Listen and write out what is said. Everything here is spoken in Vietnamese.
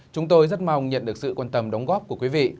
chúng tôi rất mong nhận được sự quan tâm đóng góp của quý vị